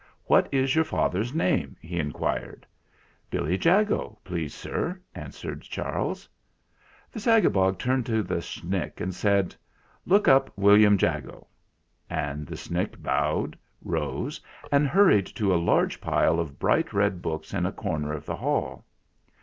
"What is your father's name ?" he inquired. "Billy Jago, please, sir," answered Charles. The Zagabog turned to the Snick and said : "Lookup William Jago!" And the Snick bowed, rose, and hurried to a large pile of bright red books in a corner of the hall.